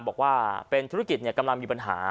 บอกว่าเป็นธุรกิจกำลังมีปัญหา